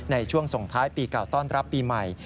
ในช่วงส่งท้ายปีเก่าต้อนรับปีใหม่